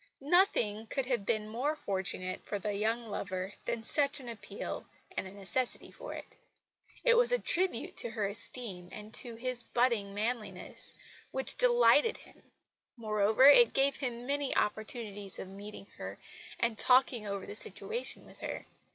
Nothing could have been more fortunate for the young lover than such an appeal and the necessity for it. It was a tribute to her esteem, and to his budding manliness, which delighted him. Moreover, it gave him many opportunities of meeting her, and talking over the situation with her.